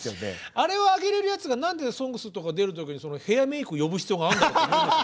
あれを上げれるやつが何で「ＳＯＮＧＳ」とか出る時にヘアメーク呼ぶ必要があるのかって思いますよ。